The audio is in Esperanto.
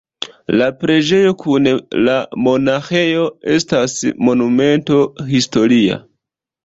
La preĝejo kun la monaĥejo estas Monumento historia.